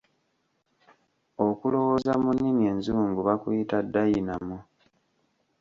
Okulowooza mu nnimi enzungu bakuyita 'Dayinamo'.